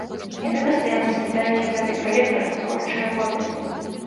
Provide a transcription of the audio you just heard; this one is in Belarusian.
Яны пастаянна скідаюць у гэты калектар вытворчыя воды.